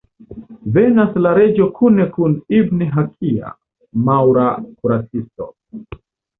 Venas la reĝo kune kun Ibn-Hakia, maŭra kuracisto.